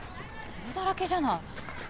泥だらけじゃない。